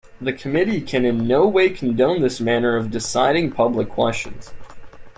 The committee can in no way condone this manner of deciding public questions.